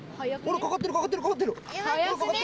かかってる、かかってる。